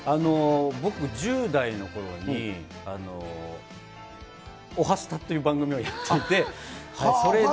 僕、１０代のころに、おはスタという番組をやっていて、それで。